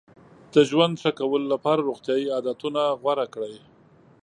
د ژوند ښه کولو لپاره روغتیایي عادتونه غوره کړئ.